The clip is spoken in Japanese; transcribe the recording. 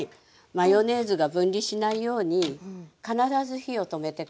マヨネーズが分離しないように必ず火を止めてから。